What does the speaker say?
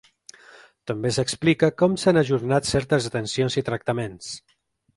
També s’explica com s’han ajornat certes atencions i tractaments.